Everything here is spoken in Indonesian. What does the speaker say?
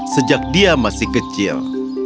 sejak dia masih kecil